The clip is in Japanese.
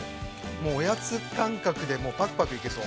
もう、おやつ感覚でぱくぱくいけそう。